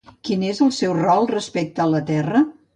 Quin és el seu rol respecte a la Terra?